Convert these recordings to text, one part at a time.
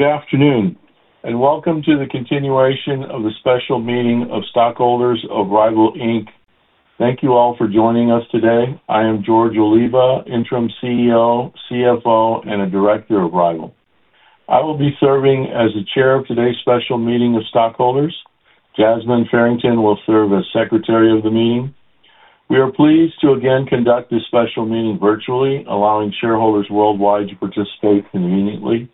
Good afternoon, and welcome to the continuation of the Special Meeting of Stockholders of RYVYL Inc. Thank you all for joining us today. I am George Oliva, Interim CEO, CFO, and a Director of RYVYL. I will be serving as the chair of today's Special Meeting of Stockholders. Jasmine Farrington will serve as secretary of the meeting. We are pleased to again conduct this special meeting virtually, allowing shareholders worldwide to participate conveniently.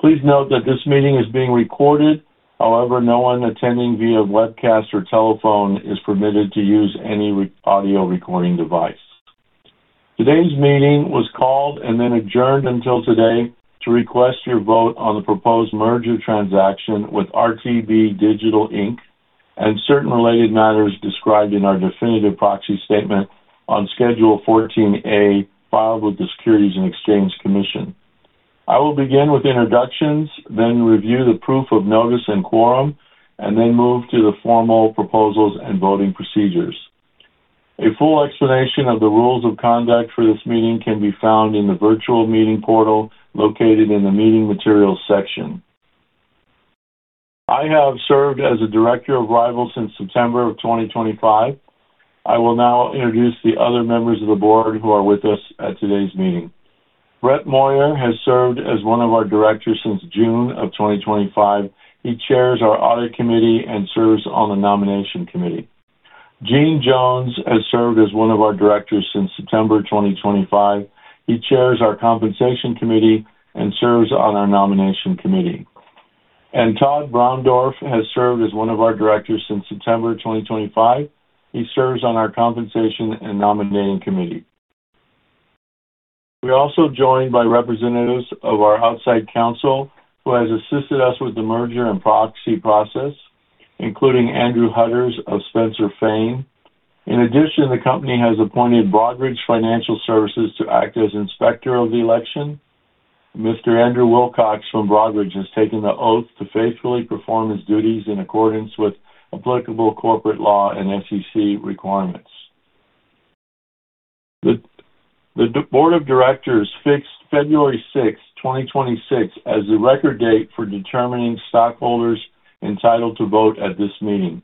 Please note that this meeting is being recorded. However, no one attending via webcast or telephone is permitted to use any audio recording device. Today's meeting was called and then adjourned until today to request your vote on the proposed merger transaction with RTB Digital, Inc and certain related matters described in our definitive proxy statement on Schedule 14A, filed with the Securities and Exchange Commission. I will begin with introductions, then review the proof of notice and quorum, and then move to the formal proposals and voting procedures. A full explanation of the rules of conduct for this meeting can be found in the virtual meeting portal located in the meeting materials section. I have served as a Director of RYVYL since September 2025. I will now introduce the other members of the board who are with us at today's meeting. Brett Moyer has served as one of our directors since June 2025. He chairs our audit committee and serves on the nomination committee. Gene Jones has served as one of our directors since September 2025. He chairs our compensation committee and serves on our nomination committee. Tod Browndorf has served as one of our directors since September 2025. He serves on our compensation and nominating committee. We're also joined by representatives of our outside counsel, who has assisted us with the merger and proxy process, including Andrew Hudders of Spencer Fane. In addition, the company has appointed Broadridge Financial Solutions to act as inspector of the election. Mr. Andrew Wilcox from Broadridge has taken the oath to faithfully perform his duties in accordance with applicable corporate law and SEC requirements. The board of directors fixed February 6th, 2026, as the record date for determining stockholders entitled to vote at this meeting.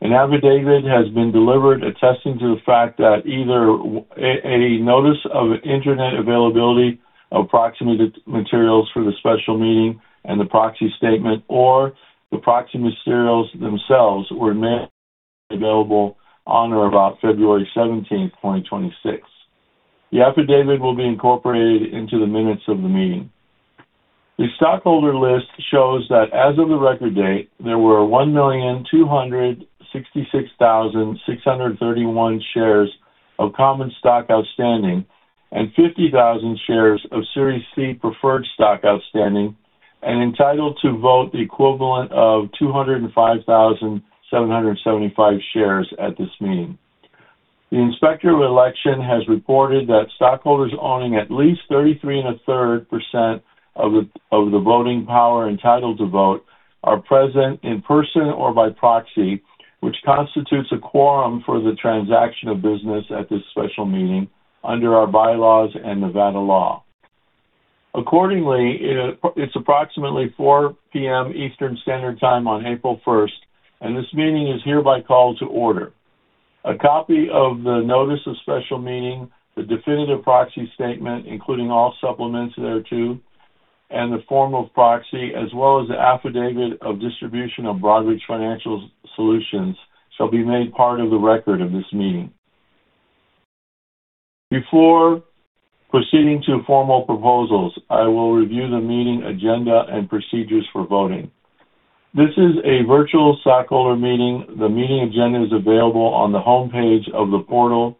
An affidavit has been delivered attesting to the fact that either a notice of internet availability of proxy materials for the special meeting and the proxy statement or the proxy materials themselves were made available on or about February 17th, 2026. The affidavit will be incorporated into the minutes of the meeting. The stockholder list shows that as of the record date, there were 1,266,631 shares of common stock outstanding and 50,000 shares of Series C preferred stock outstanding and entitled to vote the equivalent of 205,775 shares at this meeting. The inspector of election has reported that stockholders owning at least 33.33% of the voting power entitled to vote are present in person or by proxy, which constitutes a quorum for the transaction of business at this special meeting under our bylaws and Nevada law. Accordingly, it's approximately 4:00 P.M. Eastern Standard Time on April 1st, and this meeting is hereby called to order. A copy of the notice of special meeting, the definitive proxy statement, including all supplements thereto, and the form of proxy, as well as the affidavit of distribution of Broadridge Financial Solutions, shall be made part of the record of this meeting. Before proceeding to formal proposals, I will review the meeting agenda and procedures for voting. This is a virtual stockholder meeting. The meeting agenda is available on the homepage of the portal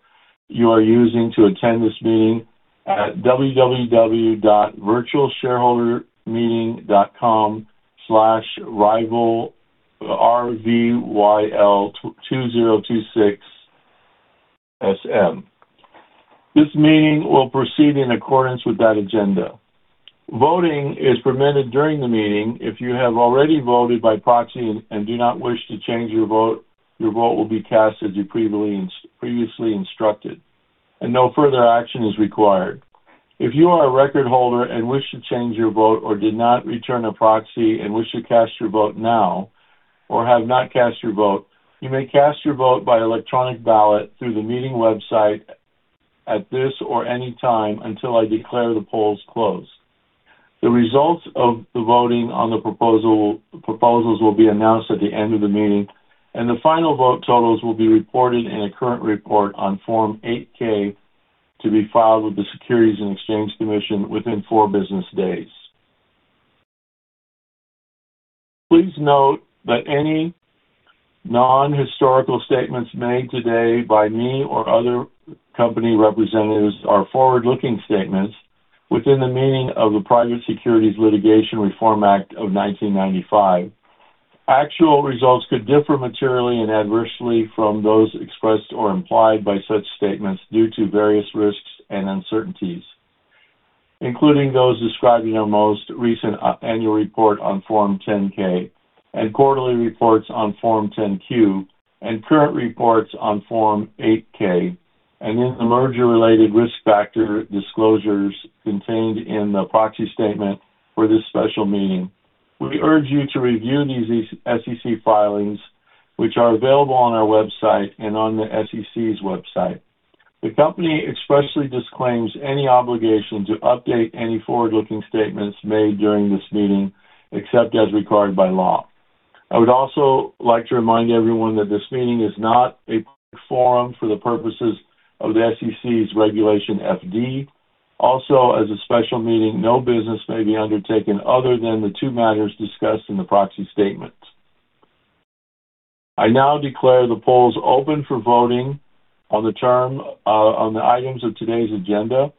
you are using to attend this meeting at www.virtualshareholdermeeting.com/rvyl2026sm. This meeting will proceed in accordance with that agenda. Voting is permitted during the meeting. If you have already voted by proxy and do not wish to change your vote, your vote will be cast as you previously instructed, and no further action is required. If you are a record holder and wish to change your vote or did not return a proxy and wish to cast your vote now or have not cast your vote, you may cast your vote by electronic ballot through the meeting website at this or any time until I declare the polls closed. The results of the voting on the proposals will be announced at the end of the meeting, and the final vote totals will be reported in a current report on Form 8-K to be filed with the Securities and Exchange Commission within four business days. Please note that any non-historical statements made today by me or other company representatives are forward-looking statements within the meaning of the Private Securities Litigation Reform Act of 1995. Actual results could differ materially and adversely from those expressed or implied by such statements due to various risks and uncertainties, including those described in our most recent annual report on Form 10-K and quarterly reports on Form 10-Q and current reports on Form 8-K and the merger-related risk factor disclosures contained in the proxy statement for this special meeting. We urge you to review these SEC filings, which are available on our website and on the SEC's website. The company expressly disclaims any obligation to update any forward-looking statements made during this meeting, except as required by law. I would also like to remind everyone that this meeting is not a forum for the purposes of the SEC's Regulation FD. Also, as a special meeting, no business may be undertaken other than the two matters discussed in the proxy statement. I now declare the polls open for voting on the term, on the items of today's agenda.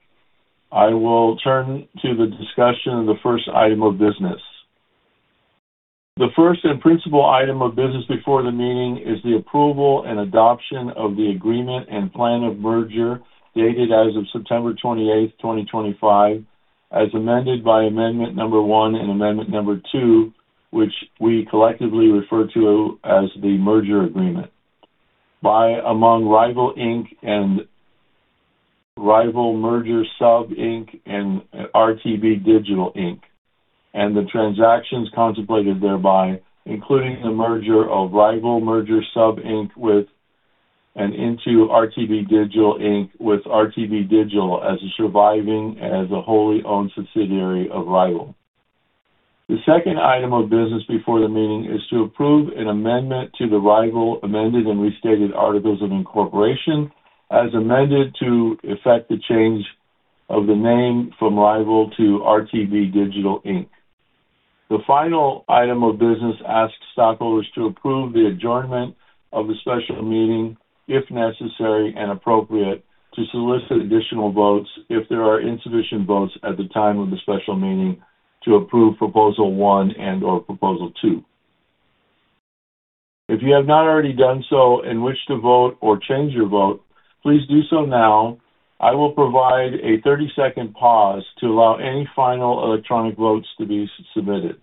I will turn to the discussion of the first item of business. The first and principal item of business before the meeting is the approval and adoption of the agreement and plan of merger, dated as of September 28, 2025, as amended by Amendment No. 1 and Amendment No. 2, which we collectively refer to as the merger agreement by and among RYVYL Inc and RYVYL Merger Sub, Inc and RTB Digital, Inc, and the transactions contemplated thereby, including the merger of RYVYL Merger Sub, Inc with and into RTB Digital, Inc, with RTB Digital as a surviving and as a wholly owned subsidiary of RYVYL. The second item of business before the meeting is to approve an amendment to the RYVYL amended and restated articles of incorporation, as amended to effect the change of the name from RYVYL to RTB Digital, Inc. The final item of business asks stockholders to approve the adjournment of the special meeting if necessary and appropriate, to solicit additional votes if there are insufficient votes at the time of the special meeting to approve Proposal 1 and/or Proposal 2. If you have not already done so and wish to vote or change your vote, please do so now. I will provide a 30-second pause to allow any final electronic votes to be submitted.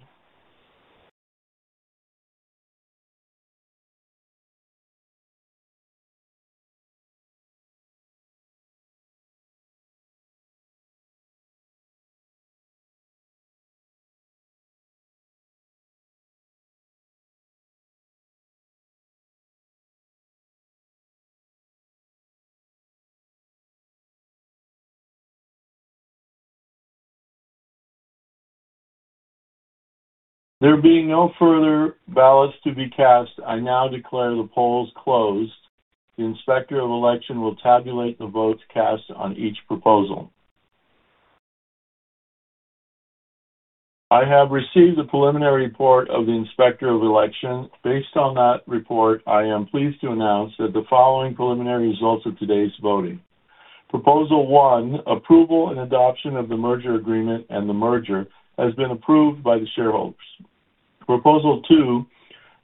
There being no further ballots to be cast, I now declare the polls closed. The Inspector of Election will tabulate the votes cast on each proposal. I have received the preliminary report of the Inspector of Election. Based on that report, I am pleased to announce that the following preliminary results of today's voting. Proposal 1, approval and adoption of the merger agreement and the merger has been approved by the shareholders. Proposal 2,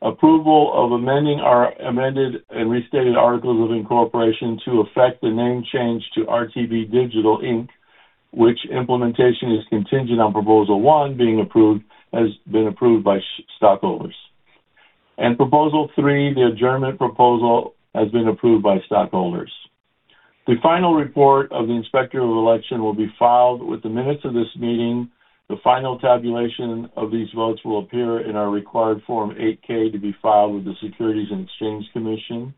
approval of amending our amended and restated articles of incorporation to effect the name change to RTB Digital, Inc, which implementation is contingent on proposal 1 being approved, has been approved by shareholders. Proposal 3, the adjournment proposal, has been approved by stockholders. The final report of the Inspector of Election will be filed with the minutes of this meeting. The final tabulation of these votes will appear in our required Form 8-K to be filed with the Securities and Exchange Commission.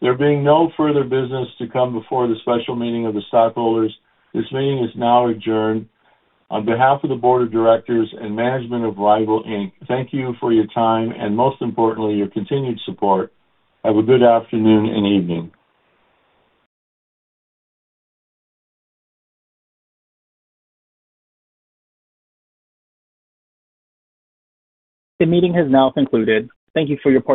There being no further business to come before the special meeting of the stockholders, this meeting is now adjourned. On behalf of the Board of Directors and management of RYVYL Inc, thank you for your time and, most importantly, your continued support. Have a good afternoon and evening. The meeting has now concluded. Thank you for your participation.